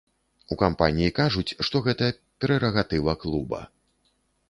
У кампаніі кажуць, што гэта прэрагатыва клуба.